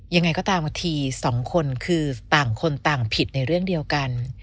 ยังไงก็ตามทีสองคนคือต่างคนต่างผิดในเรื่องเดียวกัน